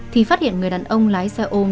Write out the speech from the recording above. thì phát hiện người đàn ông lái xe ôm